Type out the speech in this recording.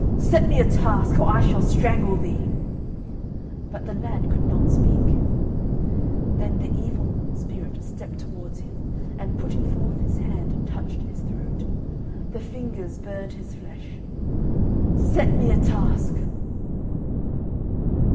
"Set me a task, or I shall strangle thee!" But the lad could not speak. Then the evil spirit stepped towards him, and putting forth his hands touched his throat. The fingers burned his flesh. "Set me a task!"